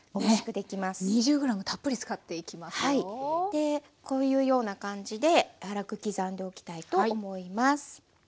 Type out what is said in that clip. でこういうような感じで粗く刻んでおきたいと思います。